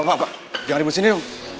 bapak jangan dibusuhin nis